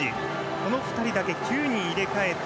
この２人だけ、９人入れ替えて。